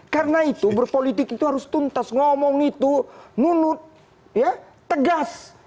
karena itu berpolitik itu harus tuntas ngomong itu munut ya tegas